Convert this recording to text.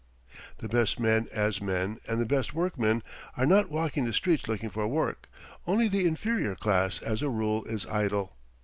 The best men as men, and the best workmen, are not walking the streets looking for work. Only the inferior class as a rule is idle.